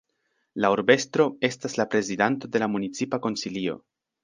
La urbestro estas la prezidanto de la Municipa Konsilio.